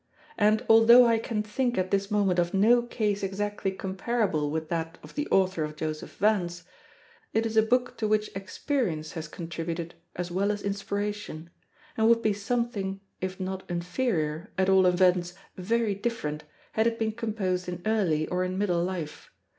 And although I can think at this moment of no case exactly comparable with that of the author of Joseph Vance, it is a book to which experience has contributed as well as inspiration, and would be something, if not inferior, at all events very different, had it been composed in early or in middle life.